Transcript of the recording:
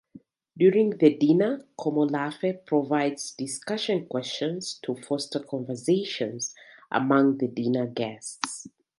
During the dinner Komolafe provides discussion questions to foster conversations among the dinner guests.